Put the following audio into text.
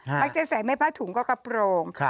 มักจะใส่ไม่ผ้าถุงก็กระโปรง